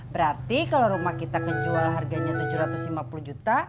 berarti kalau rumah kita kejual harganya tujuh ratus lima puluh juta